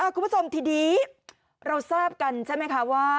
คุณผู้ชมทีนี้เราทราบกันใช่ไหมคะว่า